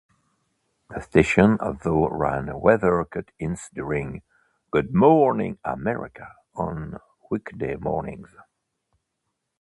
The station also ran weather cut-ins during "Good Morning America" on weekday mornings.